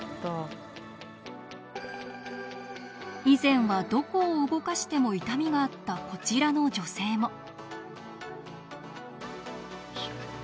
以前はどこを動かしても痛みがあったこちらの女性も。